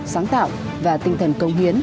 sáng tạo và tinh thần công hiến